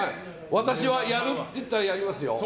私はやると言ったらやりますよ。